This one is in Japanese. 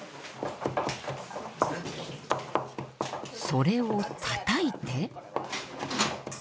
それをたたいて。